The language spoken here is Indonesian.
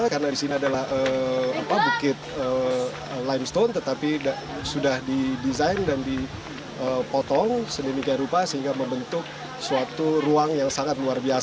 karena di sini adalah bukit limestone tetapi sudah didesain dan dibuat